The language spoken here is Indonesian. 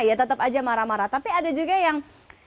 ya tetap aja marah marah tapi ada juga yang